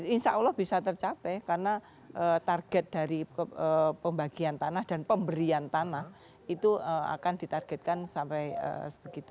insya allah bisa tercapai karena target dari pembagian tanah dan pemberian tanah itu akan ditargetkan sampai sebegitu